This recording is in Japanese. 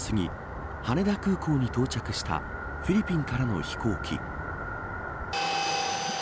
けさ４時４５分すぎ羽田空港に到着したフィリピンからの飛行機。